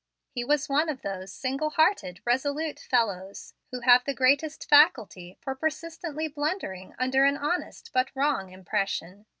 He was one of those single hearted, resolute fellows, who have the greatest faculty for persistently blundering under an honest but wrong impression.